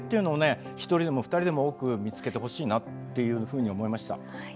１人でも２人でも多く見つけてほしいなっていうふうに思いました。